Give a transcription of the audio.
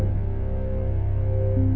tapi aku takut